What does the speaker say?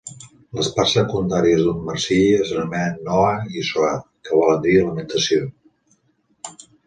Les parts secundàries d'un Marsiya s'anomenen Noha i Soaz, que volen dir lamentació.